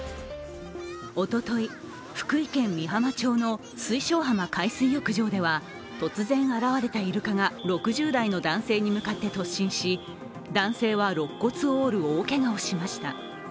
おととい、福井県美浜町の水晶浜海水浴場では突然現れたイルカが６０代の男性に向かって突進し、男性はろっ骨を折る大けがをしました。